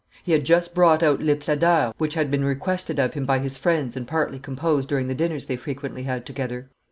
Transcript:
He had just brought out Les Plaideurs, which had been requested of him by his friends and partly composed during the dinners they frequently had together.